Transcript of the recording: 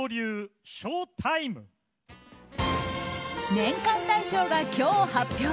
年間大賞が今日発表！